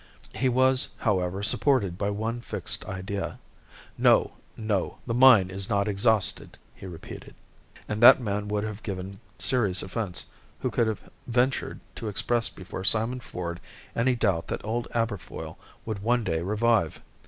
He was, however, supported by one fixed idea. "No, no! the mine is not exhausted!" he repeated. And that man would have given serious offense who could have ventured to express before Simon Ford any doubt that old Aberfoyle would one day revive!